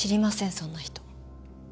そんな人。